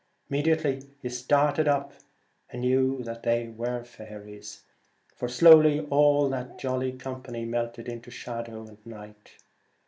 Immediately he started up, and knew that 123 The they were faeries ; for slowly all that jolly Twilight, company melted into shadow and night.